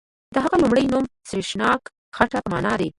د هغه لومړی نوم سریښناکه خټه په معنا دی.